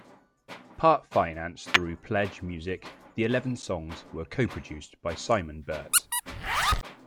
Part financed through Pledge Music, the eleven songs were co-produced by Simon Byrt.